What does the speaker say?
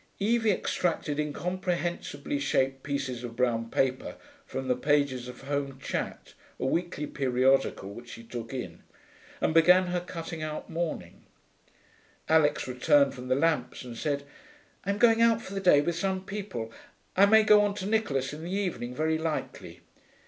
Evie extracted incomprehensively shaped pieces of brown paper from the pages of Home Chat, a weekly periodical which she took in, and began her cutting out morning. Alix returned from the lamps and said, 'I'm going out for the day with some people. I may go on to Nicholas in the evening, very likely.'